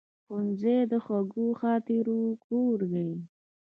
ښوونځی د خوږو خاطرونو کور دی